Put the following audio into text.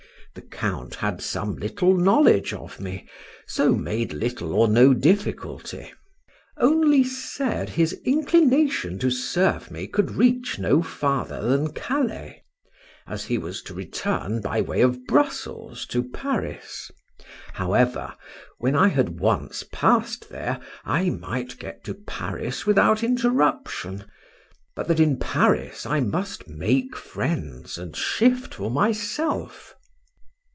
The Count had some little knowledge of me, so made little or no difficulty,—only said, his inclination to serve me could reach no farther than Calais, as he was to return by way of Brussels to Paris; however, when I had once pass'd there, I might get to Paris without interruption; but that in Paris I must make friends and shift for myself.